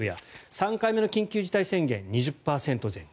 ３回目の緊急事態宣言２０％前後。